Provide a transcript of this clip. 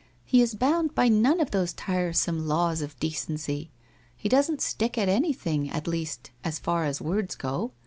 He is bound by none of those tiresome laws of decency. He doesn't stick at anything, at least, so far as words go.